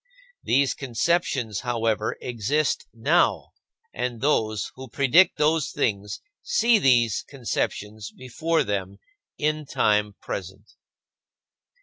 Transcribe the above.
These conceptions, however, exist now, and those who predict those things see these conceptions before them in time present.